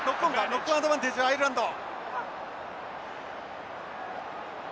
ノックオンアドバンテージはアイルランド。